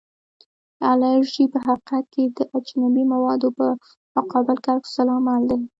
الرژي په حقیقت کې د اجنبي موادو په مقابل کې عکس العمل دی.